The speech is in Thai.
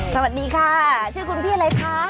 สวัสดีค่ะชื่อคุณพี่อะไรคะ